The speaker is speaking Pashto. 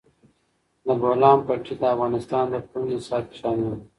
د بولان پټي د افغانستان د پوهنې نصاب کې شامل دي.